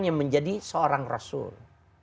yang menjadi seorang rasul